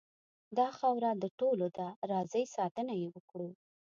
داخاوره دټولو ډ ه ده راځئ ساتنه یې وکړو .